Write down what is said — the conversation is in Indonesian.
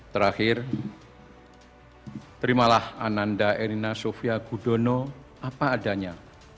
terakhir terimalah ananda erina sofia gudono apa adanya